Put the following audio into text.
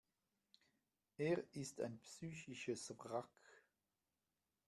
Er ist ein psychisches Wrack.